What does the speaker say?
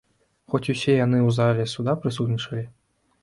Хоць усе яны ў зале суда прысутнічалі.